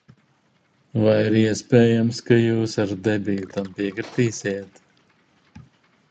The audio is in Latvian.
Vai ir iespējams, ka jūs ar Debiju tam piekritīsiet?